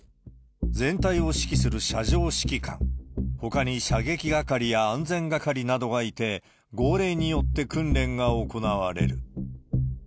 全体を指揮する射場指揮官、ほかに射撃係や安全係などがいて、号令によって訓練が行われる。